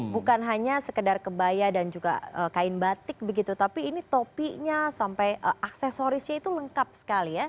bukan hanya sekedar kebaya dan juga kain batik begitu tapi ini topinya sampai aksesorisnya itu lengkap sekali ya